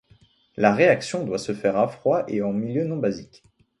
La réaction doit se faire à froid et en milieu non-basique.